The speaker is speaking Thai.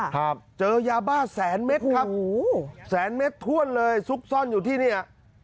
ครับอย่าบ้าแสนเม็ดครับแสนเม็ดทวนเลยซุกซ่อนอยู่ที่นี่